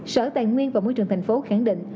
sở tài nguyên và môi trường thành phố khẳng định